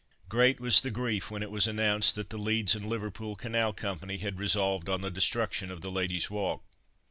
Great was the grief when it was announced that the Leeds and Liverpool Canal Company had resolved on the destruction of the Ladies Walk.